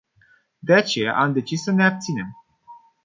De aceea, am decis să ne abținem.